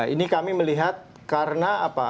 ini kami melihat karena apa